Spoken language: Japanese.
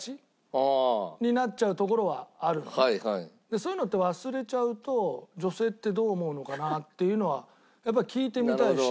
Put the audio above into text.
そういうのって忘れちゃうと女性ってどう思うのかなっていうのはやっぱり聞いてみたいし。